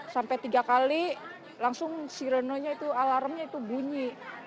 sampai tiga kali langsung sirenonya itu alarmnya itu bunyi